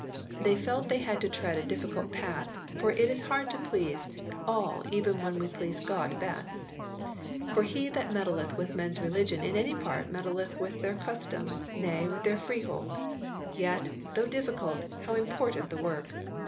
They felt they had to tread a difficult path, for it is hard to please all even when we please God best; For he that meddleth with men s religion in any part meddleth with their custom, nay, with their freehold. Yet, though difficult, how important the work